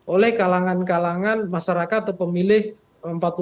oleh kalangan kalangan masyarakat atau pemilih empat puluh tahun ke depan